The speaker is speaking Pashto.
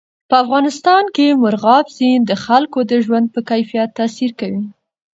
په افغانستان کې مورغاب سیند د خلکو د ژوند په کیفیت تاثیر کوي.